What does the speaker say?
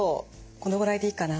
このぐらいでいいかな？